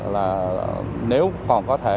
là nếu còn có thể